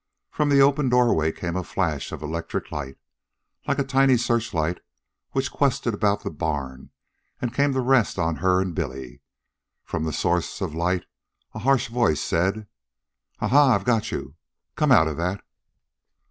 From the open doorway came a flash of electric light, like a tiny searchlight, which quested about the barn and came to rest on her and Billy. From the source of light a harsh voice said: "Ah! ha! I've got you! Come out of that!"